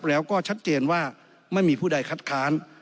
แล้วก็ชัดเจนว่าไม่มีผู้ใดคัดค้าน